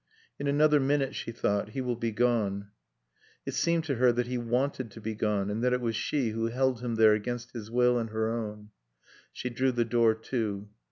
"In another minute," she thought, "he will be gone." It seemed to her that he wanted to be gone and that it was she who held him there against his will and her own. She drew the door to.